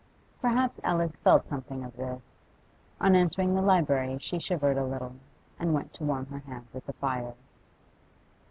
Perhaps Alice felt something of this; on entering the library she shivered a little, and went to warm her hands at the fire.